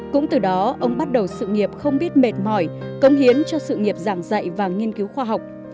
cũng từ đó ông bắt đầu sự nghiệp không biết mệt mỏi công hiến cho sự nghiệp giảng dạy và nghiên cứu khoa học